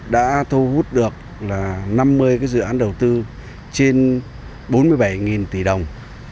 đã thu hút được năm mươi dự án đầu tư trên bốn mươi bảy tỷ đồng